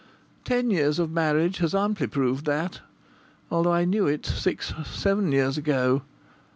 Ten years of marriage has amply proved that, though I knew it six seven years ago.